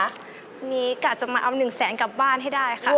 วันนี้กะจะมาเอา๑แสนกลับบ้านให้ได้ค่ะ